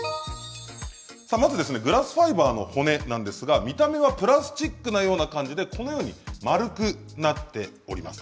まずグラスファイバーの骨ですが見た目はプラスチックのような感じで丸くなっています。